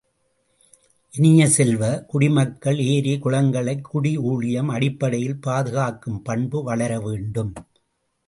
இனிய செல்வ, குடிமக்கள் ஏரி, குளங்களைக் குடி ஊழியம் அடிப்படையில் பாதுகாக்கும் பண்பு வளர வேண்டும்.